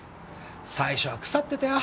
最初は腐ってたよ